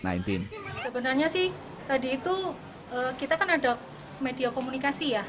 sebenarnya sih tadi itu kita kan ada media komunikasi ya